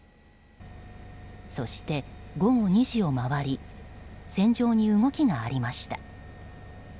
そして午後２時を回り船上に動きがありました。